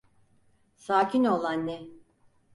Sakin ol anne.